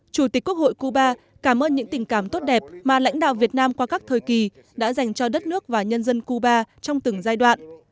chủ tịch quốc hội cuba cảm ơn những tình cảm tốt đẹp mà lãnh đạo việt nam qua các thời kỳ đã dành cho đất nước và nhân dân cuba trong từng giai đoạn